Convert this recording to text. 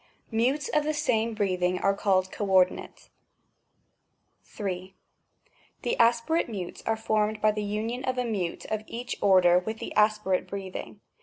Mutes of the same breathing are called coordinate, 3. The aspirate mutes are formed by the union of a mute of each order with the aspirate breathing.